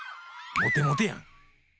モテモテやん！